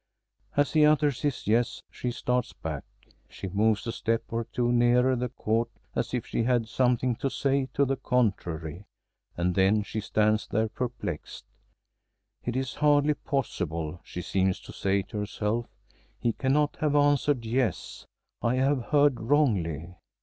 As he utters his "yes," she starts back. She moves a step or two nearer the Court, as if she had something to say to the contrary, and then she stands there perplexed. It is hardly possible, she seems to say to herself; he cannot have answered yes. I have heard wrongly.